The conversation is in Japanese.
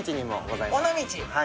尾道。